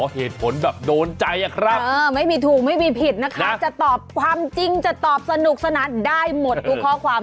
เหตุผลแบบโดนใจอะครับไม่มีถูกไม่มีผิดนะคะจะตอบความจริงจะตอบสนุกสนานได้หมดทุกข้อความ